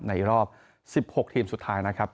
ในรอบ๑๖ทีมสุดท้ายนะครับ